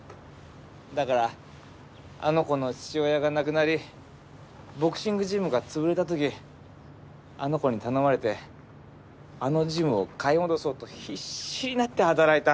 だからあの子の父親が亡くなりボクシングジムが潰れた時あの子に頼まれてあのジムを買い戻そうと必死になって働いた。